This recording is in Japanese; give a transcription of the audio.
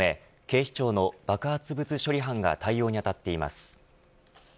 警視庁の爆発物処理班が対応にあたっています。